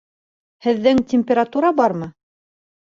Һеҙҙең температура бармы?